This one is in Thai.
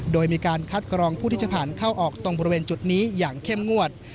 โดยมีการคัดกรองผู้ที่จะผ่านเข้าออกตรงบริเวณจุดนี้อย่างเข้มงวด